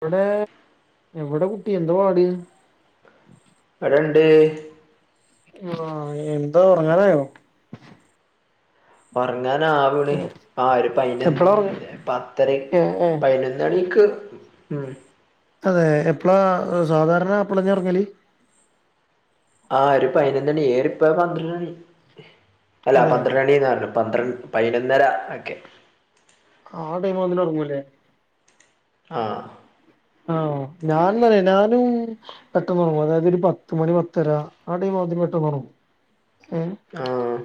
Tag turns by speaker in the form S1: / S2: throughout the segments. S1: ഇവിടെ എവിടെ കുട്ടി എന്തുവാടി
S2: ഇവടേണ്ട്
S1: ആഹ് എന്താ ഒറങ്ങാറായോ
S2: ഒറങ്ങാനാവോളി ആ ഒരു
S1: എപ്പളാ ഉറങ്ങ
S2: [unintelligible] പത്തര
S1: ഏഹ് ഏഹ്
S2: പതിനൊന്ന് മണിക്ക് ഉം
S1: അതെ എപ്പളാ സാധാരണ എപ്പളാ ചെറങ്ങല്
S2: ആ ഒരു പതിനൊന്നണി ഏറിപോയാ പന്ത്രണ്ട് മണി അല്ല
S1: അതെ
S2: പന്ത്രണ്ട് മണീന്നാ പറഞ്ഞേ പന്ത്ര പൈനൊന്നര ഒക്കെ
S1: ആ ടൈമില് വന്ന്ട്ട് ഒറങ്ങും ല്ലേ
S2: ആഹ്
S1: ആഹ് ഞാനെന്നാറിയോ ഞാന് പെട്ടെന്നൊറങ്ങും അതായത് ഒരു പത്ത് മണി പത്തര ആ ടൈം ആവുമ്പതിന് പെട്ടെന്ന് ഒറങ്ങും ശരി
S2: ആഹ്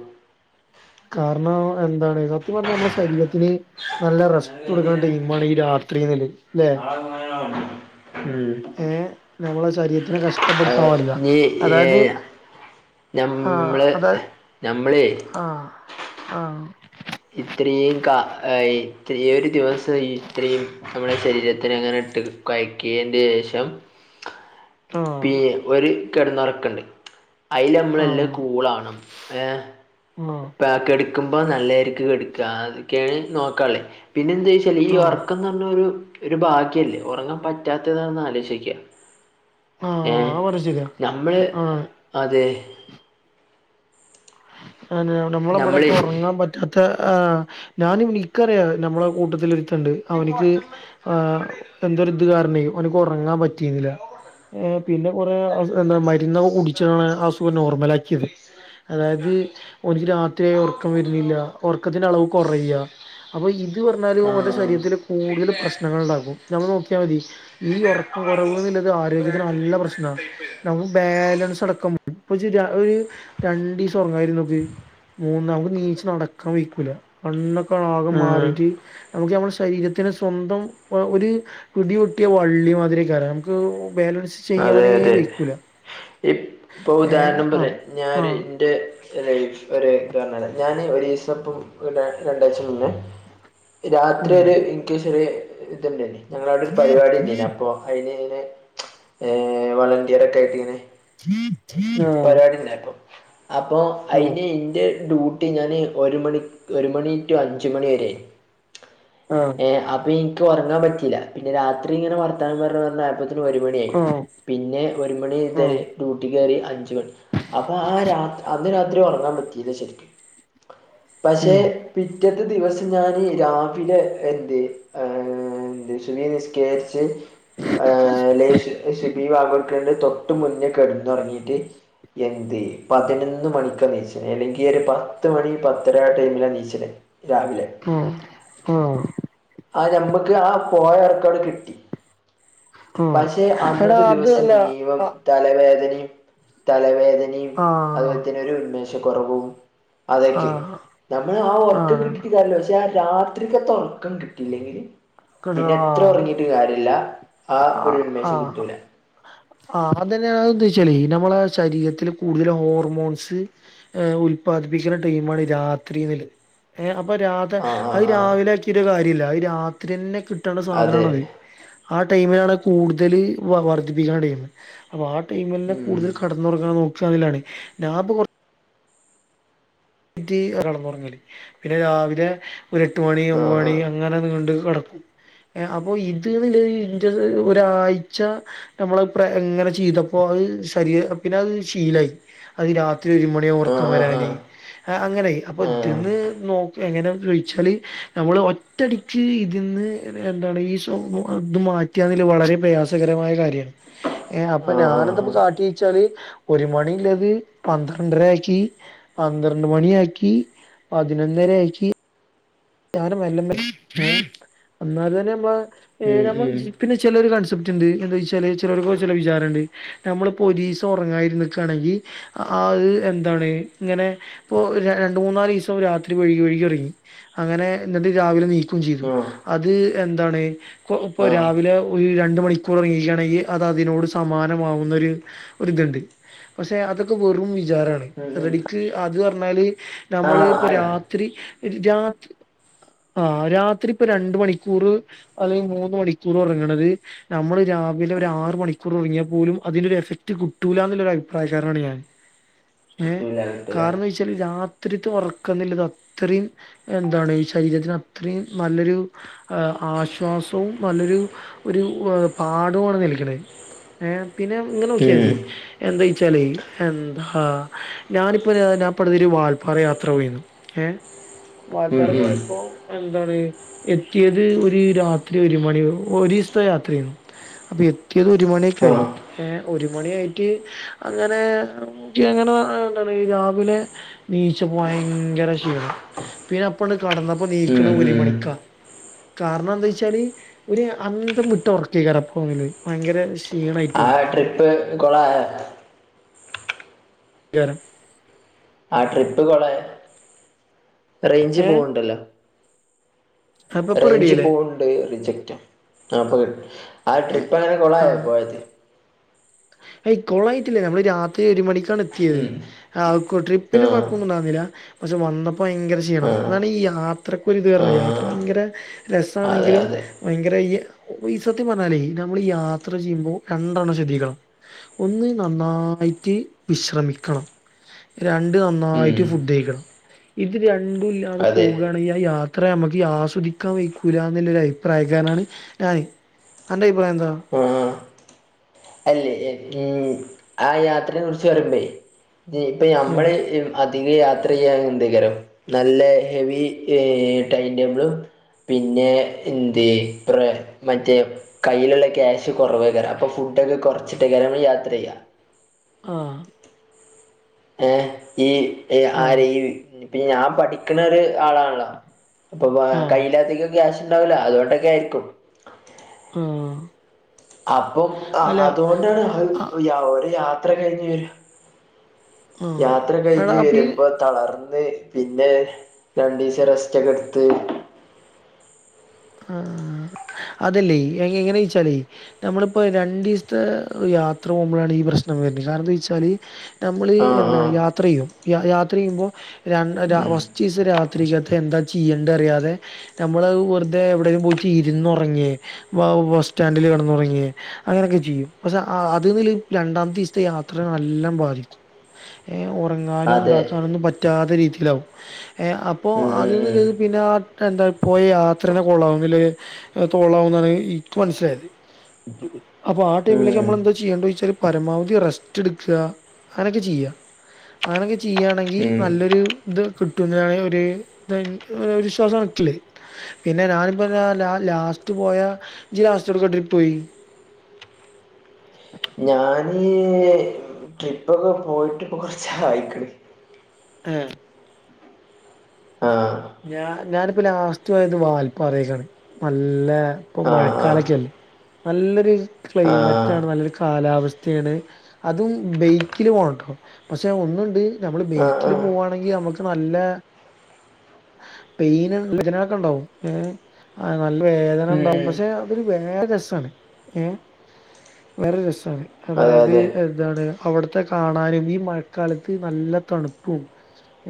S1: കാരണം എന്താണ് [unintelligible] സത്യം പറഞ്ഞ നമ്മളെ ശരീരത്തിന് നല്ല റെസ്റ്റ് കൊടുക്കണ ടൈമാണ് ഈ രാത്രീന്നൊള്ളത് ല്ലേ?
S2: [unintelligible] ഉം
S1: ഏഹ് നമ്മളെ ശരീരത്തിനെ കഷ്ടപ്പെടുത്താൻ പാടില്ല
S2: [inaudible] നീ
S1: അതായത്
S2: ഏഹ്
S1: ആഹ്
S2: ഞമ്മള്
S1: അതായത്
S2: ഞമ്മളേ
S1: ആഹ് ആഹ്
S2: ഇത്രയും കാ ആഹ് ഇത്രയും ഒരു ദിവസം ഇത്രയും നമ്മളെ ശരീരത്തിന് അങ്ങനെ ഇട്ട് കൊഴക്കിയേൻ്റെ ശേഷം പി
S1: ആഹ്
S2: ഒരു കെടന്നൊറക്കൊണ്ട്. അയില് നമ്മളെല്ലാം
S1: ആഹ്
S2: കൂളാവണം, ഏഹ്
S1: ആഹ്
S2: പാക്ക് എടുക്കുമ്പോ നല്ല രീ ക്ക് എടുക്കാ, [unintelligible] നോക്കാലോ പിന്നെ എന്താ വെച്ചാല് ഈ ഒറക്കംന്നു പറഞ്ഞാലൊരു ഒരു ഭാഗ്യല്ലേ ഒറങ്ങാൻ പറ്റാത്തതൊന്ന് ആലോചിച്ച് നോക്കിക്ക
S1: ആഹ്
S2: ഏഹ്
S1: ആ പറഞ്ഞത് ശരിയാ
S2: ഞമ്മള്
S1: ആണ്
S2: അതെ
S1: ആന്ന് നമ്മടെ ഇവിടൊക്കെ
S2: നമ്മൾ
S1: ഒറങ്ങാൻ പറ്റ് താത്ത ആഹ് ഞാന് ഇനിക്കറിയാ നമ്മളെ കൂട്ടത്തിൽ ഒരുത്തണ്ട് അവനിക്ക് ആഹ് എന്തോ ഒരിത് കാരണേ ഓന്ക്ക് ഒറങ്ങാൻ പറ്റ് റ്റിയിരുന്നില്ല, ഏഹ് പിന്നെ കൊറെ എന്താ മരുന്നൊക്കെ കുടിച്ചാണ് അസുഖം നോർമൽ ആക്കിയത്. അതായത് ഓന്ക്ക് രാത്രി ആയാ ഒറക്കം വരുന്നില്ല, ഒറക്കത്തിന്റെ അളവ് കൊറയാ അപ്പൊ ഇ ത് പറഞ്ഞാലും ഓന്റെ ശരീരത്തില് കൂടുതല് പ്രശ്നങ്ങളൊണ്ടാക്കും, നമ്മള് നോക്കിയാ മതി. ഈ ഒറക്കം കൊറവ് എന്നുള്ളത് ആരോഗ്യത്തിന് നല്ല പ്രശ്നാ, നമ്മക്ക് ബാലൻസ് അടക്കം ഇപ്പൊ ശരിയാ ഒര് രണ്ടിസം ഒറങ്ങാതിരുന്നു നോക്ക് മൂന്നാമത് നീച്ച് നടക്കാൻ വഴിക്കൂല കണ്ണോക്കെ ആകെ മാറിട്ട് നമുക്ക് നമ്മുടെ ശരീരത് തിന് സ്വന്തം ഒരു പിടി പൊട്ടിയ വള്ളി മാതിരി ക്കറ നമുക്ക് ബാലൻസ്
S2: അതെ
S1: ചെയ്യാനേ
S2: അതെ
S1: വെയ്ക്കൂല
S2: ഇപ്പ് പ്പൊ
S1: ഏ
S2: ഉദാഹരണം
S1: ആ
S2: പറയാ ഞാൻ
S1: ആ
S2: ഇന്റെ ഒരു ഇത് പറഞ്ഞാല് ഞാൻ ഒരു ദിവസ ഇപ്പം ഇവടെ രണ്ടാഴ്ച മുന്നേ രാത്രി
S1: ഉം
S2: ഒരു ഇന്ക്ക് ചെറിയേ ഒരു ഇത്ണ്ടായിന്, ഞങ്ങടവിടെ ഒരു പരിപാടി ഉണ്ടായിന് അപ്പൊ അയിനിങ്ങനെ ഏഹ് വളറിയർ ഒക്കെ ആയിട്ട്ങ്ങനെ
S1: ആ
S2: പരിപാടി ഉണ്ടായിപ്പൊ അപ്പൊ അയിന് എന്റെ ഡ്യൂട്ടി ഞാന് ഒരു മണി ഒരു മണി ടു അഞ്ചു മണി വരെ ആനു
S1: ആഹ്
S2: ്അപ്പ ഇൻക്ക് ഒറങ്ങാൻ പറ്റീല്ല പിന്നെ രാത്രി ഇങ്ങനെ വർത്താനം പറഞ് പറഞ്ഞാ അല്പ്പത്തിന് ഒരു മണിയായി
S1: ആ ആ
S2: പിന്നെ ഒരു മണി മുതല് ഡ്യൂട്ടി കയറി അഞ്ചു മണി അപ്പൊ ആ രാ അന്ന് രാത്രി ഒറങ്ങാൻ പറ്റീയില്ല ശരിക്കും പക്ഷേ
S1: ഉം
S2: പിറ്റത്തെ ദിവസം ഞാൻ രാവിലെ എന്ത് എന്ത് സുവി നിസ്കരിച്ച് ഏ ലേഷം സിബി വാഗൽക്കന്റെ തൊട്ട് മുന്നേ കെടന്നൊറങ്ങിയിട്ട് എന്ത് പതിനൊന്ന് മണിക്കാ നീച്ചനെ അല്ലെങ്കി ഒരു പത്ത് മണി പത്തര ടൈമിലാ നീച്ചിനെ രാവിലെ
S1: ആ ആ
S2: ആ ഞമ്മക്ക് ആ പോയ ഒറക്കോങ്ങട് കിട്ടി
S1: ആ
S2: പക്ഷേ
S1: എടാ
S2: അന്നത്തെ
S1: അത്
S2: ദിവസം
S1: അല്ല
S2: മുഴുവൻ
S1: ആ
S2: തലവേദനേം തലവേദനേം
S1: ആ
S2: അതുപോലെ തന്നെ ഒരു ഉന്മേഷക്കുറവും
S1: ആ
S2: അതെക്കി നമ്മള് ആഹ്
S1: ആ
S2: ഒറ്റക്കിട്ടിട്ട് കാര്യല്ല പക്ഷെ രാത്രിക്കത്തെ ഒറക്കം കിട്ടില്ലെങ്കില് പിന്നെ എത്ര
S1: ആ
S2: ഒറങ്ങിട്ട് കാര്യല്ല ആ ഒരു
S1: ആഹ്
S2: ഉൻമേ
S1: ആഹ് ആഹ് അതന്നെയ ഉദ്ദേശിച്ചാലെ നമ്മളെ ശരീരത്തില് കൂടുതൽ ഹോർമോൺസ് ഉല്പാദിപ്പിക്കുന്ന ടൈമാണ് രാത്രിമില് ഏഹ് അപ്പൊ രാതേ
S2: ആ
S1: അത്
S2: ആ
S1: രാവിലെ
S2: ആ
S1: ആക്കിട്ട് കാര്യല്ല അഹ് രാത്രി തന്നെ കിട്ടേണ്ട
S2: അതെ
S1: സാധനാണത് ആ ടൈമിലാണ് കൂടുതൽ വർദ്ധിപ്പിക്കണ ടൈമ് അപ്പൊ ആഹ് ടൈമിലന്നെ
S2: ഉം
S1: കൂടുതൽ കെട ന്നൊറങ്ങാൻ നോക്കാണേലാണേ ഞാപ്പ കൊറ റ്റ് കെടന്നൊറങ്ങല് പിന്നെ രാവിലെ ഒരു എട്ട് മണി
S2: ആ ആ
S1: ഒമ്പണി അ അങ്ങനെ നീണ്ട് കെടക്കും ഏഹ് അപ്പൊ ഇത് ന്ന്ള്ളത് ഇന്റത് ഒരാഴ്ച നമ്മള്‌ പ്രേ ങ്ങനെ ചെയ്തപ്പോ അത് ശരി പിന്നത് ശീലായി അത് രാത്രി ഒരു മ ണി
S2: ആ ആ
S1: ഒറക്കം
S2: ആ
S1: വരാന് ആഹ് അങ്ങനെ അപ്പൊ
S2: ആ
S1: ഇത് ന്ന് നോക്കി എങ്ങനെ ദ്രോഹിച്ചാല് നമ്മള് ഒറ്റടി റ്റ് ഇതിന്ന് എന്താണ് ഈ സ്വ മൊ ത് മാറ്റിയാണേല് വളരെ പ്രയാസകരമായ കാര്യാണ് ഏഹ് അപ്പൊ
S2: ആ ആ
S1: ഞാന്
S2: ആ
S1: എന്തപ്പോ കാട്ടിയെച്ചാല് ഒരു മണിള്ളത് പന്ത്രണ്ടര ആക്കി പന്ത്രണ്ട് മണിയാക്കി പതിനൊന്നരയാക്കി ഞാനും മെല്ലെ മെല്ലെ ഒന്നാമത് തന്നെ മ്മളെ ഈ
S2: ഉം
S1: നമ്മ
S2: ഉം
S1: ജീപ്പിനെ ചെലര് കൺസെപ്റ്റ്ണ്ട് എന്താ വെച്ചാല് ചെലോർക്ക് ചെലെ വിചാരംണ്ട് ഞമ്മളിപ്പോ ഒരിസം ഒറങ്ങാതിരി നിക്കയാണെങ്കി അഹ് എന്താണ് ഇങ്ങനെ ഇപ്പൊ രണ്ട് മൂന്നാലിവസം രാത്രി വഴ്കി വഴ്കി ഒറങ്ങി അങ്ങനെ എന്നിട്ട് രാവിലെ ണീക്കും ചെയ്തു
S2: ആ
S1: അത് എന്താണ് ഇപ്പോ ഇപ്പൊ
S2: ആ
S1: രാവിലെ ഒരു രണ്ട് മണിക്കൂറ് ഒറങ്ങിക്കയാണെങ്കി അത് അതിനോട് സമാനമാവുന്നൊരു ഒരിതുണ്ട് പക്ഷെ അതൊക്കെ വെറും വിചാരാണ്
S2: ഉം ഉം
S1: റെഡിക്ക് അത് പറഞ്ഞാല്
S2: ആ
S1: നമ്മള് ഇപ്പൊ
S2: അതാണ്.
S1: രാത്രി രാ ആഹ് രാത്രി ഇപ്പൊ രണ്ട് മണിക്കൂറ് അല്ലെങ്കി മൂന്ന് മണിക്കൂറ് ഒറങ്ങണത് നമ്മള് രാവിലെ ഒരാറ് മണിക്കൂറ് ഒറങ്ങിയ പോലും അതിനൊരു എഫക്ട് കിട്ടൂലാന്നുള്ളൊരു അഭിപ്രായക്കാരനാണ് ഞാൻ ഏഹ്
S2: കിട്ടൂല കിട്ടൂല
S1: കാരണം ച്ചാല് രാത്രിത്തെ ഒറക്കന്നിള്ളത് അത്രയും എന്താണ് ഈ ശരീരത്തിന് അത്രയും നല്ലൊരു ആഹ് ആശ്വാസവും നല്ലൊരു ഒരു പാഠവാണ് നൽകണേ ഏഹ് പിന്നെ ഇങ്ങനെ നോക്കിയാ
S2: ഉം
S1: മതി എന്തായ്ച്ചാലേ എന്താ ഞാനിപ്പോ ഞാ പട്തിരി വാൽപ്പാറ യാത്ര പോയിരുന്നു ഏഹ്
S2: ഉം
S1: വാൽപ്പാറ
S2: ഉം
S1: പോയപ്പോ എന്താണ് എത്തിയത് ഒരു രാത്രി ഒരു മണി ഒരിസത്തെ യാത്ര ആയിരുന്നു അപ്പൊ എത്തിയത് ഒരു മണിയൊക്കായി
S2: ആ
S1: ഏഹ് ഒരു മണിയായിട്ട് അങ്ങനെ മുടി അങ്ങനെ എന്താണ് രാവിലെ ണീച്ചപ്പോ ഭയങ്കര ക്ഷീണം പിന്നെ അപ്പണ്ട് കെടന്നപ്പോ
S2: ഉം
S1: ണീക്കണേ ഒരു
S2: ഉം
S1: മണിക്കാ കാരണം എന്താ ച്ചാല് ഒരു അന്തം വിട്ട് ഒറക്കെ കാരംഭയങ്കര ക്ഷീണയിട്ട്
S2: ആഹ് ട്രിപ്പ് കൊളായോ
S1: [unintelligible]
S2: ആ ട്രിപ്പ് കൊളായോ റേയ്ഞ്ച്
S1: ഏ
S2: പോണ് ണ്ടല്ലോ
S1: അപ്പൊ ഇപ്പൊ
S2: റേയ്ഞ്ച്
S1: റെഡിയായില്ലേ
S2: പോണ് ണ്ട് റിജക്റ്റ് അപ്പ ആഹ്
S1: ഏ
S2: ട്രിപ്പ് അങ്ങനെ കൊളായോ പോയത്
S1: എയ് കൊളായിട്ടില്ല നമ്മള് രാത്രി ഒരു മണി ക്കാണ് എത്തിയത്
S2: ഉം
S1: ആഹ് കു ട്രിപ്പിന്
S2: ആ
S1: കൊഴപ്പൊന്നുണ്ടാരുന്നില്ല പക്ഷെ വന്നപ്പ ഭയങ്കര
S2: ആ
S1: ക്ഷീണംഅതാണ് ഈ യാത്രക്കൊരിത്
S2: ആ
S1: കാരണം യാത്ര ഭയങ്കര
S2: അതെ
S1: രസാണെങ്കിലും
S2: അതെ
S1: ഭയങ്കര ഈയ ഈ സത്യം പറഞ്ഞാലേ നമ്മള് യാത്ര ചെയ്യുമ്പോ രണ്ടെണ്ണം ശ്രദ്ധിക്കണം ഒന്ന് നന്നായിട്ട് വിശ്രമിക്കണം രണ്ട്
S2: ഉം
S1: നന്നായിട്ട് ഫുഡ് കഴിക്കണം ഇത് രണ്ടും ഇല്ലാതെ
S2: അതെ
S1: പോകുക ആ യാത്ര നമ്മക്ക് ആസ്വദിക്കാൻ വക്കൂല എന്നുള്ള ഒരു അഭിപ്രായക്കാരാണ് ഞാന് അന്റെ അഭിപ്രായംന്താ
S2: ആ അല്ലേ [unintelligible] ആ യാത്രയെ കുറിച്ച് പറയുമ്പോൾ ഇപ്പൊ ഞമ്മൾ അധികം യാത്ര ചെയ്യാൻ എന്തേങ്കരം നല്ല ഹെവി ടൈം ടേബിളും പിന്നെ എന്ത് പ്ര മറ്റേ കയ്യിലുള്ള ക്യാഷ് കുറവേ കാരം അപ്പൊ ഫുഡൊക്കെ കുറച്ചിട്ടേക്ക രം നമ്മൾ യാത്ര ചെയ്യാ
S1: ആ
S2: ഏ ഈ
S1: ആഹ്
S2: ആര് ഈ പി ഞാൻ പഠിക്കണ ഒരു ആളാണല്ലോ അപ്പൊ
S1: ആഹ്
S2: കയ്യിലധി്റം ക്യാഷ് ഉണ്ടാവില്ല അതുകൊണ്ടൊക്കെ ആയിരിക്കും
S1: ഉം
S2: അപ്പം ആ അതുകൊണ്ടാണ്
S1: ആഹ്
S2: ഒരു യാത്ര കഴിഞ്ഞഞ് വര
S1: ആഹ്
S2: യാത്ര
S1: എടാ
S2: കഴിഞ്ഞഞ്
S1: അപ്പീ
S2: വരുമ്പോ തളർന്ന് പിന്നെ രണ്ടു ദിവസം റെസ്റ്റ് ഒക്കെ എടുത്ത്
S1: ആ അതല്ലേ എങ്ങനെ വെച്ചാലേ നമ്മളിപ്പോ രണ്ടു ദിവസത്തെ യാത്ര പോകുമ്പോഴാണ് ഈ പ്രശ്നം വരുന്നത് കാരണം എന്താ വെച്ചാല് നമ്മൾ
S2: ആ ആ
S1: എന്താണ് യാത്ര ചെയ്യും യാത്ര ചെയ്യുമ്പോൾ രണ്ടര
S2: ഉം
S1: വസ്തു രാത്രികകത്ത് എന്താ ചെയ്യേണ്ട അറിയാതെ നമ്മള് വെർ തെ എവിടെങ്കിലും പോയിട്ട് ഇരുന്നുറങ്ങി ബസ് സ്റ്റാൻഡില് കിടന്നുറങ്ങിയ അങ്ങനെയൊക്കെ ചെയ്യും പക്ഷെ ആ അതിമമല് രണ്ടാത്തെ ദിവസത്തെ യാത്രയെ നല്ലാം ബാധിക്കു ഏ ഉറങ്ങാനും
S2: അതെ
S1: ഇതാക്കാനൊ ഒന്നും പറ്റാത്ത രീതിയിലാവും ഏ അപ്പോൾ
S2: ഉം
S1: അതന്നത് പിന്നെ എന്താ പോയ അത്ര തന്നെ കൊള്ളാവും അല്ലെ തൊള്ളാവ എന്നാണ് ഇൻക്മനസ്സിലായത് അപ്പൊ ആ
S2: ഉം
S1: ടൈമിൽ
S2: ഉം
S1: നമ്മൾ എന്താ ചെയ്യണ്ട ചോദിച്ചാല് പരമാവധി റെസ്റ്റ് എടുക്കുക അങ്ങനൊക്കെ ചെയ്യാ അങ്ങനൊക്കെ ചെയ്യയാണെങ്കിൽ
S2: ഉം
S1: നല്ലൊരു ഇത് കിട്ടുന്നാണ് ഒരു തനിക്ക് വിശ്വാസം വന്നിട്ടില്ലെ പിന്നെ ഞാനിപ്പ ല ലാസ്റ്റ് പോയാ ജി ലാസ്റ്റ് എവ്ട്ക്കെ ട്രിപ്പ് പോയെ
S2: ഞാന് ഈഹ് ട്രിപ്പ് ഒക്കെ പോ പോയിട്ട് കൊറച്ചായിക്ക്‌ണ്.
S1: ഏഹ്?
S2: ഹാ
S1: ഞാ ഞാനിപ്പ ലാസ്റ്റ് പോയത് വാൽപ്പാറയിലാണ്. നല്ല, ഇപ്പൊ
S2: ആ ആ
S1: മഴക്കാലൊക്കയല്ലേ? നല്ലൊരു
S2: ആ
S1: ക്ലൈമറ്റാണ് നല്ലൊരു കാലാവസ്ഥയാണ്. അതും ബെയ്ക്കില് പോണട്ടോ. പക്ഷെ ഒന്നുണ്ട് നമ്മള്
S2: ആ ആ
S1: ബൈക്കില് പോവാണെങ്കി നമുക്ക് നല്ല പെയിന് [unintelligible] നക്കെണ്ടാവും ഏഹ്? ആഹ് നല്ല
S2: ഉം
S1: വേദനണ്ടാവും
S2: ഉം
S1: പക്ഷെ, അതൊരു വേറെ രസാണ് ഏഹ്? വേറെ രസാണ്.
S2: അതെ
S1: അതായത്
S2: അതെ
S1: എന്താണ് അവിടുത്തെ കാണാനും ഈ മഴക്കാലത്ത് നല്ല തണുപ് പും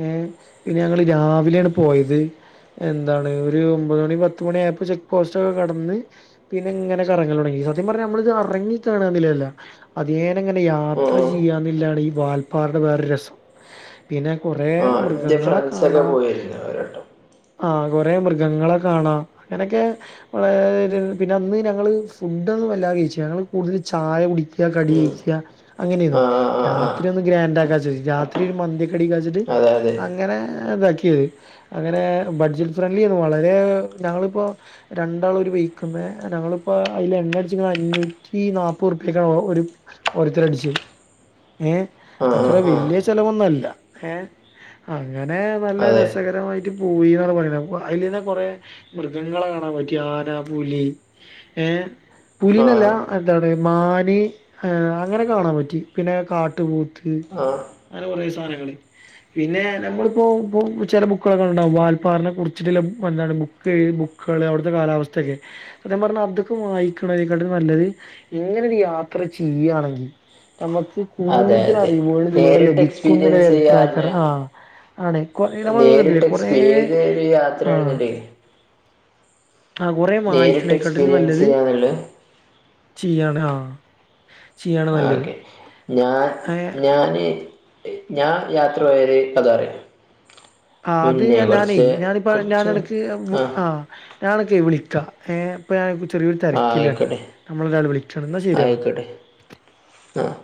S1: ഏഹ് പിന്നെ ഞങ്ങള് രാവിലെയാണ് പോയത് എന്താണ് ഒരു ഒമ്പത് മണി പത്ത് മണി ആയപ്പോ ചെക്ക് പോസ്റ്റൊക്കെ കടന്ന് പിന്നെ ഇങ്ങനെ കറങ്ങല് തൊടങ്ങി. സത്യം പറഞ്ഞാ നമ്മളിത് എറങ്ങി കാണന്നില്ലല്ലാ? അതിയേന ഇങ്ങനെ
S2: ഉം
S1: യാത്ര
S2: ഉം
S1: ചെയ്യാന്നില്ലാണ് ഈ വാൽപ്പാറടെ വേറൊരു രസം. പിന്നെ കുറേ
S2: ആ എന്റെ
S1: മൃഗങ്ങളെ
S2: ഒക്കെ
S1: കാണാ.
S2: പോയിരുന്നു ഒരുവട്ടം
S1: ആഹ് കൊറേ മൃഗങ്ങളെ കാണാം അങ്ങനൊക്കെ ഈഹ് ഒരു പിന്നെ അന്ന് ഞങ്ങള് ഫുഡ്ഡൊന്നും വല്ലാതെ കഴിച്ചില്ല. ഞങ്ങള് കൂടുതല് ചായ കുടിക്ക കടി
S2: ഉം
S1: കഴിക്ക അങ്ങനെയേനു.
S2: ആ ആ ആ ആ
S1: രാത്രി ഒന്ന് ഗ്രാൻഡാക്കാ വിചാരിച്ചിട്ട്. രാത്രി ഒരു മന്തിയൊക്കെ അടിക്കാ വെച്ചിട്ട്
S2: അതെ അതെ
S1: അങ്ങനെ ഇതാക്കിയത്. അങ്ങനേ ബഡ്ജറ്റ് ഫ്രണ്ട്ലിയേന്നു. വളരേ ഞങ്ങളിപ്പോ രണ്ടാള് ഒരു ബൈക്കുമ്മേ. ഞങ്ങളിപ്പോ അയ്ല് എണ്ണ അടിച്ചിക്ക്ണേ അഞ്ഞൂറ്റി നാല്പ്പത് ഉറുപ്പ്യക്കാ ഒരു ഓരോര്ത്തരടിച്ചെ. ഏഹ്
S2: ആ
S1: അത്ര
S2: ആ ആ
S1: വല്ല്യ ചെലവൊന്നു അല്ല ഏഹ്. അങ്ങനെ നല്ല
S2: അതെ
S1: രസ സകരമായിട്ട് പോയീന്നാണ് പറയണേ. അപ്പൊ അയിലന്നെ കൊറെ മൃഗങ്ങളെ കാണാൻ പറ്റി. ആന പുലി ഏഹ്.
S2: ആ
S1: പുലീനല്ല. എന്താണ് മാന് ഈഹ് അങ്ങനെ കാണാൻ പറ്റി. പിന്നെ കാട്ടുപോത്ത്
S2: ആ
S1: അങ്ങനെ കൊറേ സാനങ്ങള്. പിന്നെ നമ്മളിപ്പോ പോ ചെല ബുക്കുകളൊക്കെ ഇണ്ടാവും വാൽപ്പാറിനെ കുറിച്ചിട്ട്ള്ള, എന്താണ് ബുക്ക് എയ്ത് ബുക്കേള്, അവിട്ത്തെ കാലാവസ്ഥയൊക്കെ അതാൻ പറഞ്ഞെ അതൊക്കെ വായിക്കണതിനേക്കാട്ടും നല്ലത് ഇങ്ങനൊരു യാത്ര ചെയ്യാണെങ്കി നമ്മക്ക്
S2: അതെ അതെ
S1: കൂട്തലറിയുമ്പോള് ഇതിലൂടല്ലേ
S2: നേരിട്ട്
S1: ദിക്കും
S2: എക്സ്പീരിയൻസ്
S1: അഭിപ്രായക്കർ
S2: ചെയ്യാറിന്
S1: ആഹ് ആണ്. കൊറേ നമ്മള്
S2: നേരിട്ട്
S1: ഇതില്ലേ കൊറേ
S2: എക്സ്പീ ഏതൊരു
S1: ആഹ്
S2: യാത്രയാണെന്നുണ്ടെങ്കിൽ
S1: ആഹ് കൊറേ
S2: നേരിട്ട്
S1: വായിച്ചണേക്കാട്ടിലു
S2: എക്സ്പീരിയൻസ്
S1: നല്ലത്
S2: ചെയ്യാന്നുള്ളത്
S1: ചീയാണ് ആഹ്, ചീയാണ്
S2: ആ
S1: നല്ലത്.
S2: ഓക്കെ ഞാൻ
S1: ഏഹ്
S2: ഞാന്, ഞാൻ യാത്ര പോയൊരു കഥ പറയാം.
S1: ആഹ് അത് ന്ന്
S2: മുന്നേ
S1: പറഞ്ഞാല്,
S2: കുറച്ച്
S1: ഞാനിപ്പ
S2: കുറച്ച് മുൻ
S1: ഞാനെടക്ക്
S2: ആ
S1: ആഹ്. ഞാനെടക്ക് വിളിക്കാ ഏഹ്. ഇപ്പൊ ഞാൻ ചെറിയൊരു
S2: ആ
S1: തെരക്കിലാണ്.
S2: ആയിക്കോട്ടെ
S1: ഞമ്മളെ ഒരാള് വിളിച്ചണ്. എന്നാ ശരിയടാ.
S2: അഹ്